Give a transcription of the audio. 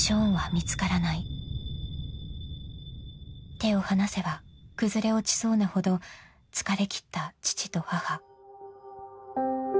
［手を離せば崩れ落ちそうなほど疲れ切った父と母］